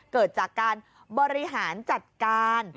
เกิดจากการบริหารจัดการ